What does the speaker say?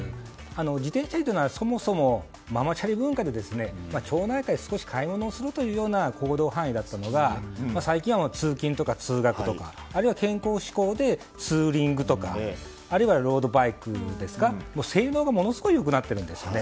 自転車移動そもそもママチャリ文化で町内会少し買い物をするという行動範囲だったのが最近は通勤とか通学とかあるいは健康志向でツーリングとかあるいはロードバイクですか性能が、ものすごい良くなっているんですね。